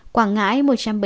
quảng ngãi một trăm bảy mươi ba